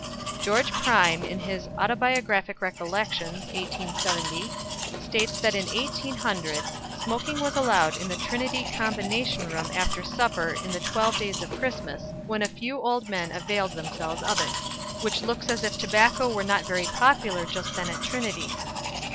George Pryme, in his "Autobiographic Recollections," 1870, states that in 1800 "smoking was allowed in the Trinity Combination room after supper in the twelve days of Christmas, when a few old men availed themselves of it," which looks as if tobacco were not very popular just then at Trinity.